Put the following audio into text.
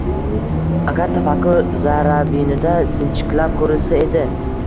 Agar tafakkur zarrabinida sinchiklab ko’rilsa edi.